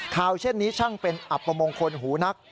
เช่นนี้ช่างเป็นอับประมงคลหูนัก